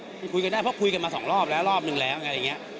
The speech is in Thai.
คุยกันได้เพราะคุยกันมาสองรอบแล้วรอบนึงแล้วอะไรอย่างนี้